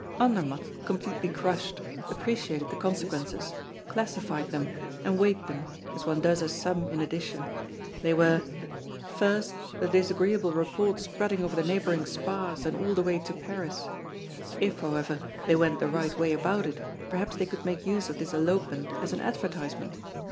Andermatt, completely crushed, appreciated the consequences, classified them, and weighed them, as one does a sum in addition. They were: "First, the disagreeable report spreading over the neighboring spas and all the way to Paris. If, however, they went the right way about it, perhaps they could make use of this elopement as an advertisement.